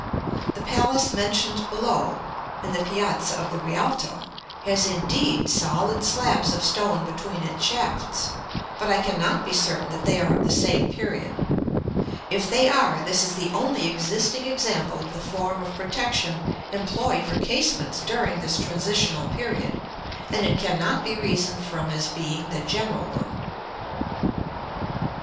The palace mentioned below (§ XXXII.), in the piazza of the Rialto, has, indeed, solid slabs of stone between its shafts, but I cannot be certain that they are of the same period; if they are, this is the only existing example of the form of protection employed for casements during this transitional period, and it cannot be reasoned from as being the general one.